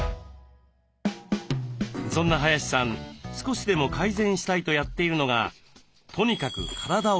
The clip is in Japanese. そんな林さん少しでも改善したいとやっているのがとにかく体を冷やすこと。